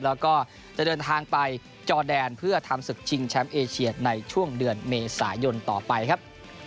แล้วก็จะเดินทางไปจอแดนเพื่อทำศึกชิงแชมป์เอเชียในช่วงเดือนเมษายนต่อไปครับ